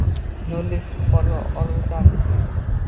Nurli istiqbolga olib o’tamiz.